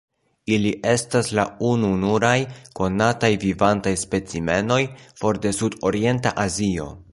Ili estas la ununuraj konataj vivantaj specimenoj for de Sudorienta Azio.